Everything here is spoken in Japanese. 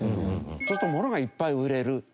そうするとものがいっぱい売れる。